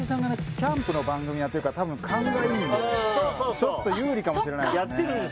キャンプの番組やってるから多分勘がいいんでそうそうそうちょっと有利かもしれないやってるんです